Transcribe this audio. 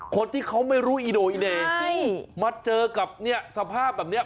คนที่เขาไม่รู้อีโดอีเดย์มาเจอกับเนี่ยสภาพแบบนี้